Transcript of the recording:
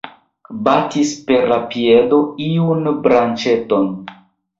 Batis per la piedo iun branĉeton.